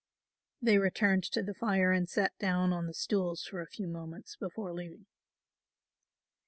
They returned to the fire and sat down on the stools for a few moments before leaving.